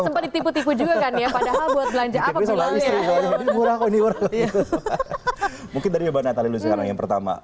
sempat ditipu tipu juga kan ya padahal buat belanja apa mungkin dari mbak nathalie lusyakarnak yang pertama